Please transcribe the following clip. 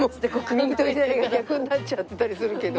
右と左が逆になっちゃってたりするけど。